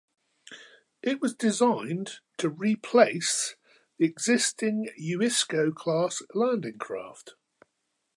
It was designed to replace the existing Uisko class landing craft.